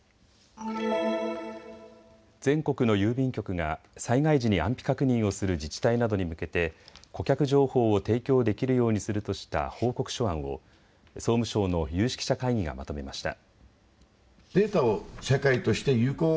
全国の郵便局が災害時に安否確認をする自治体などに向けて顧客情報を提供できるようにするとした報告書案を総務省の有識者会議がまとめました。